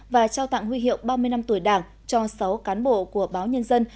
và trao tặng huy hiệu ba mươi năm tuổi đảng cho sáu cán bộ của báo nhân dân